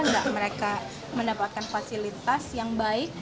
dan benar nggak mereka mendapatkan fasilitas yang baik